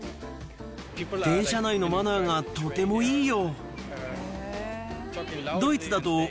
電車内のマナーがとてもいいよ。